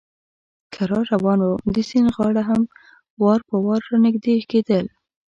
کرار روان ووم، د سیند غاړه هم وار په وار را نږدې کېدل.